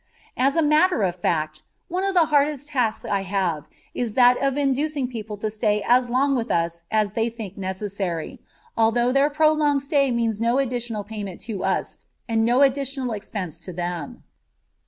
As a matter of fact, one of the hardest tasks I have is that of inducing people to stay as long with us as we think necessary, although their prolonged stay means no additional payment to us and no additional expense to them.